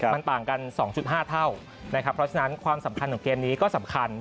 มันต่างกัน๒๕เท่านะครับเพราะฉะนั้นความสำคัญของเกมนี้ก็สำคัญ